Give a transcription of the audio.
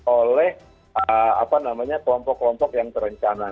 oleh kelompok kelompok yang terencana